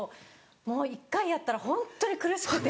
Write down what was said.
もう一回やったらホントに苦しくて。